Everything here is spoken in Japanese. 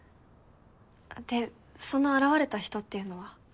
でその現れた人っていうのは？